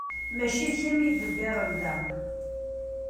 Mačči d kemm i iḍebbiren da.